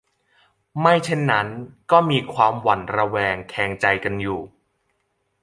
ไม่เช่นนั้นก็มีความหวั่นระแวงแคลงใจกันอยู่